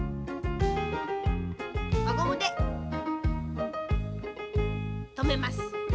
わゴムでとめます。